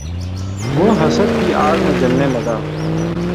وہ حسد کی آگ میں جلنے لگا